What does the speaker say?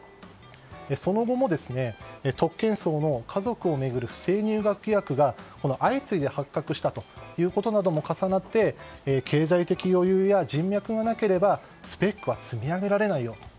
その後も、特権層の家族を巡る不正入学疑惑が相次いで発覚したということなども重なって経済的余裕や人脈がなければスペックは積み上げられないよと。